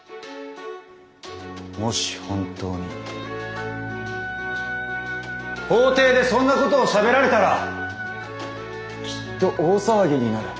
もし本当に法廷でそんなことをしゃべられたらきっと大騒ぎになる。